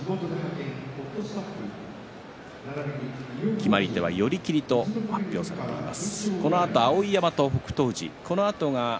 決まり手は寄り切りと発表されています。